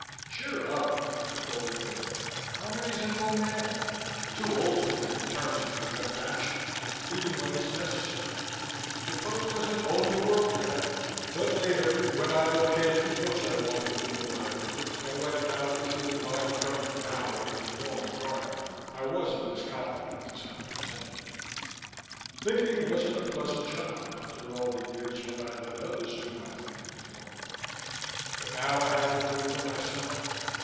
"Cheer up," I told Rena. "Carmody's an old man too old to think in terms of direct action, even when it's necessary. Defoe doesn't own the world yet!" But later, when I located the books I wanted in the library and went out into the vine covered bower in the formal garden, I wasn't as confident as I'd pretended. Thinking wasn't a pleasant job, after all the years when I'd let others do my thinking for me. But now I had to do it for myself.